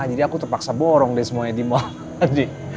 jadi aku terpaksa borong deh semuanya di mall